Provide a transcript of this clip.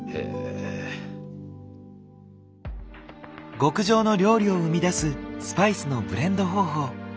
極上の料理を生み出すスパイスのブレンド方法。